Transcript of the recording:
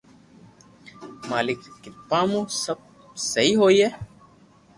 مالڪ ري ڪرپا مون سب سھي ھوئي